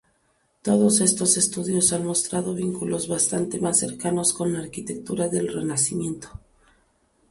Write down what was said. Todos estos estudios han mostrado vínculos bastante más cercanos con la arquitectura del Renacimiento.